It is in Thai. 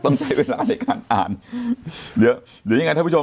ต้องใช้เวลาในการอ่านเดี๋ยวหรือยังไงท่านผู้ชม